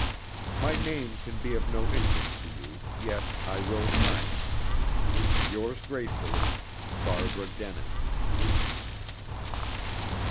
"My name can be of no interest to you, yet I will sign it. "Yours gratefully, Barbara Denin."